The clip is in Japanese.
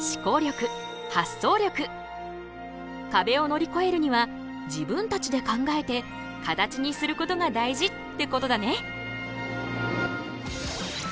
かべを乗りこえるには自分たちで考えて形にすることが大事ってことだね。